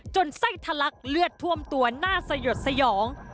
ไส้ทะลักเลือดท่วมตัวหน้าสยดสยอง